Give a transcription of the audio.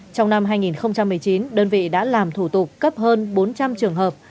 trong năm hai nghìn một mươi chín đơn vị đã làm thủ tục cấp hơn bốn trăm linh trường hợp